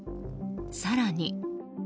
更に。